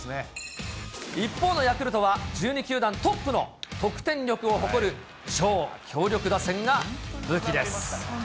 一方のヤクルトは、１２球団トップの得点力を誇る超強力打線が武器です。